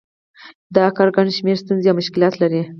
دا کار ګڼ شمېر ستونزې او مشکلات لري